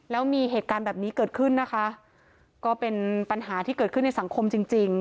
แล้วมีเหตุการณ์แบบนี้เกิดขึ้นนะคะก็เป็นปัญหาที่เกิดขึ้นในสังคมจริงจริง